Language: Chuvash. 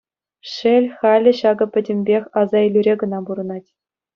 Шел, халӗ ҫакӑ пӗтӗмпех асаилӳре кӑна пурӑнать.